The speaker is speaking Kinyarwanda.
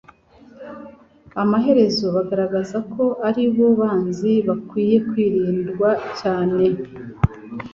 amaherezo bagaragara ko aribo banzi bakwinye kwirindwa cyane.